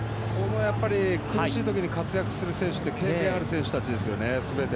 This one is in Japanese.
やっぱり苦しい時に活躍する選手たちって経験ある選手たちですよねすべて。